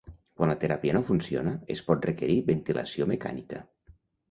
Quan la teràpia no funciona, es pot requerir ventilació mecànica.